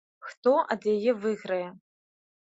Хто ад яе выйграе?